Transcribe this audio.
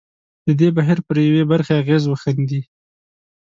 د دې بهیر پر یوې برخې اغېز وښندي.